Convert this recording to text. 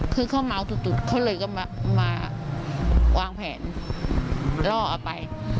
คือเขาเมาจุดเขาเลยก็มาวางแผนล่อเอาไป